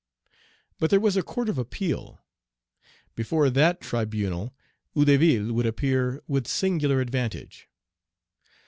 But there was a court of appeal. Before that tribunal Hédouville would appear with singular advantage.